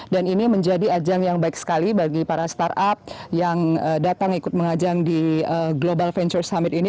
dan ini menjadi ajang yang baik sekali bagi para startup yang datang ikut mengajang di global venture summit ini